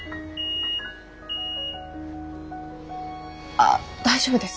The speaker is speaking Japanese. ああ大丈夫です。